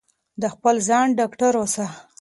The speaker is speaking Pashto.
د خپل ځان ډاکټر اوسئ.